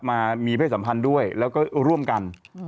มามีเพศสัมพันธ์ด้วยแล้วก็ร่วมกัน